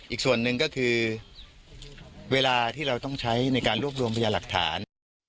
อีกส่วนหนึ่งก็คือเวลาที่เราต้องใช้ในการรวบรวมพยาหลักฐาน